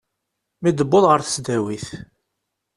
Mi d-tewweḍ ɣer tesdawit.